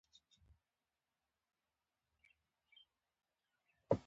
افغانستان کې دځنګل حاصلات د نن او راتلونکي لپاره ارزښت لري.